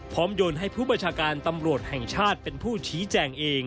โยนให้ผู้ประชาการตำรวจแห่งชาติเป็นผู้ชี้แจงเอง